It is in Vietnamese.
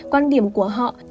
quan điểm của họ